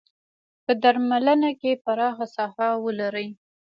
په درملنه کې پراخه ساحه ولري.